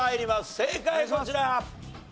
正解こちら。